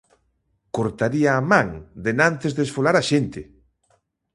Cortaría a man denantes de esfolar a xente!